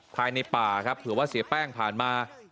ภายในป่าครับเผื่อว่าเสียแป้งผ่านมา